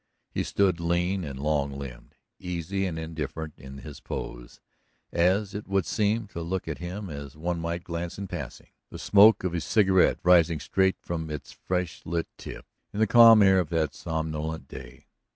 He stood lean and long limbed, easy and indifferent in his pose, as it would seem to look at him as one might glance in passing, the smoke of his cigarette rising straight from its fresh lit tip in the calm air of the somnolent day.